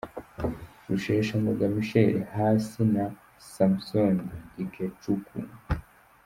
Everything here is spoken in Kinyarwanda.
Rusheshangoga Michel hasi na Samson Ikechukwu.